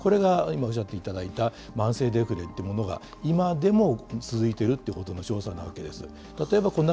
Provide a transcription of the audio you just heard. これが今おっしゃっていただいた、慢性デフレというものが今でも続いているということの証左なわけです。